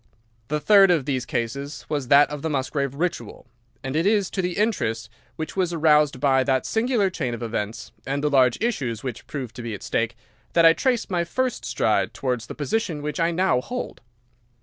The third of these cases was that of the Musgrave Ritual, and it is to the interest which was aroused by that singular chain of events, and the large issues which proved to be at stake, that I trace my first stride towards the position which I now hold.